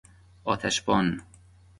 آتش بان